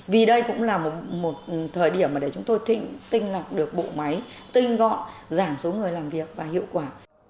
vì đây cũng là một thời điểm mà để chúng tôi tinh lọc được bộ máy tinh gọn giảm số người làm việc và hiệu quả